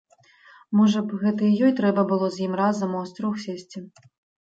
Можа б, гэта і ёй трэба было з ім разам у астрог сесці.